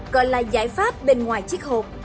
gọi là giải pháp bên ngoài chiếc hộp